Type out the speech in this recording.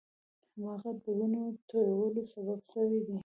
حماقت د وینو تویولو سبب سوی دی.